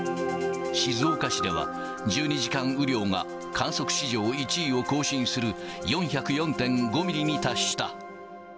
静岡市では、１２時間雨量が、観測史上１位を更新する４０４．５ミリに達した。